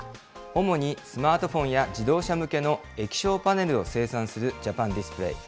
主にスマートフォンや自動車向けの液晶パネルを生産するジャパンディスプレイ。